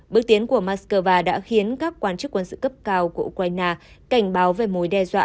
bước tiến của moscow đã khiến các quan chức quân sự cấp cao của ukraine cảnh báo về mối đe dọa